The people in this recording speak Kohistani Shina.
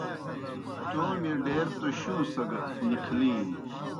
تومیْ ڈیر توْ شُوں سگہ نِکھلِینوْ